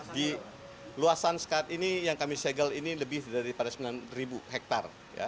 di luasan saat ini yang kami segel ini lebih daripada sembilan hektare